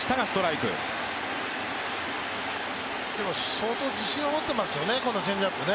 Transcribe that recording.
相当自信を持ってますよね、このチェンジアップ。